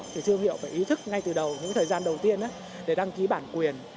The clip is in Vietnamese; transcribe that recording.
thì thương hiệu phải ý thức ngay từ đầu những thời gian đầu tiên để đăng ký bản quyền